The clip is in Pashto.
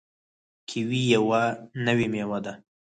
کیوي یوه نوې میوه ده.